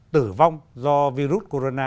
tử vong do virus corona